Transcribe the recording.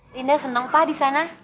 rinda senang pak di sana